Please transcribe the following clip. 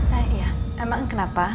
nah iya emang kenapa